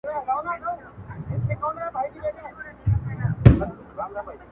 دعا لکه چي نه مني یزدان څه به کوو؟،